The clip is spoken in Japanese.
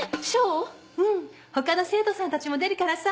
他の生徒さんたちも出るからさ